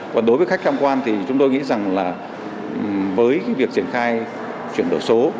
còn đối với khách tham quan thì chúng tôi nghĩ rằng là với việc triển khai chuyển đổi số